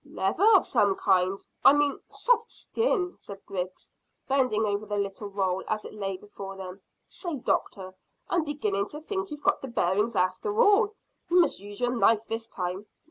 "Leather of some kind I mean, soft skin," said Griggs, bending over the little roll as it lay before them. "Say, doctor, I'm beginning to think you've got the bearings after all. You must use your knife this time."